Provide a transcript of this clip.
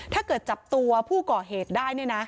ถ้าเกิดจับตัวผู้ก่อเหตุได้